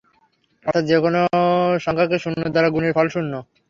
অর্থাৎ যেকোন সংখ্যাকে শূন্য দ্বারা গুণের ফল শূন্য।